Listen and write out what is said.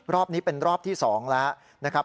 รอบนี้เป็นรอบที่๒แล้วนะครับ